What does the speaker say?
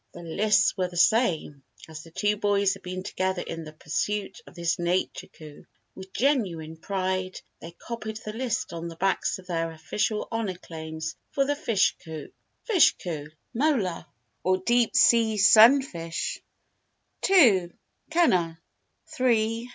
The lists were the same, as the two boys had been together in the pursuit of this Nature coup. With genuine pride they copied the list on the backs of their official Honour claims for the fish coup. Fish Coup. 1. Mola or deep sea Sunfish 2. Cunner 3.